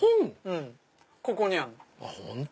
ここにあんの。